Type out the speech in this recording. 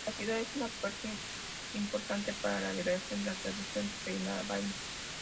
La vaciedad es una puerta importante para la liberación en la tradición Theravāda.